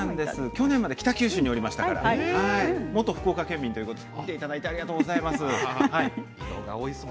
去年まで北九州にいましたから元福岡県民ということで見ていただいてありがとうございます。